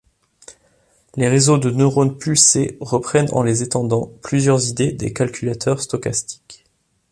Les réseaux de neurones pulsés reprennent en les étendant plusieurs idées des calculateurs stochastiques.